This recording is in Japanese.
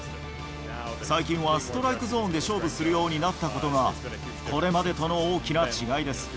最近はストライクゾーンで勝負するようになったことが、これまでとの大きな違いです。